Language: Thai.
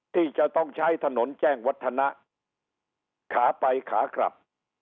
ที่จะต้องใช้ถนนแจ้งวัฒนะขาไปขากลับ